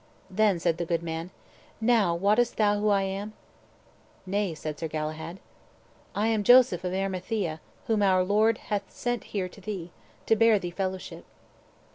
Then said the good man, "Now wottest thou who I am?" "Nay," said Sir Galahad. "I am Joseph of Arimathea, whom our Lord hath sent here to thee, to bear thee fellowship."